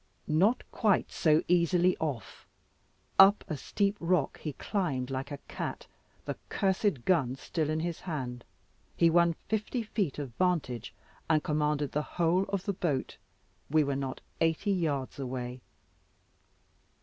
Not quite so easily off. Up a steep rock he climbed like a cat, the cursed gun still in his hand. He won fifty feet of vantage, and commanded the whole of the boat. We were not eighty yards away.